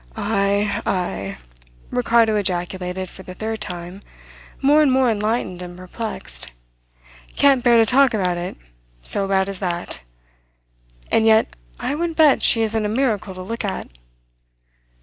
"Ay, ay!" Ricardo ejaculated for the third time, more and more enlightened and perplexed. "Can't bear to talk about it so bad as that? And yet I would bet she isn't a miracle to look at."